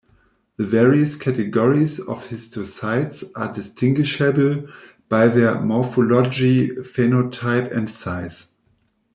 The various categories of histocytes are distinguishable by their morphology, phenotype, and size.